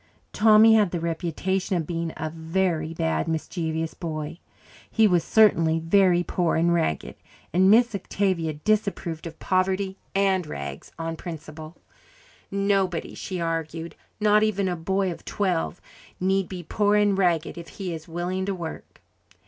Tommy had the reputation of being a very bad, mischievous boy; he was certainly very poor and ragged, and Miss Octavia disapproved of poverty and rags on principle. Nobody, she argued, not even a boy of twelve, need be poor and ragged if he is willing to work.